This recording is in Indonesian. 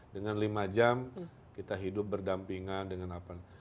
dengan lima jam kita hidup berdampingan dengan apa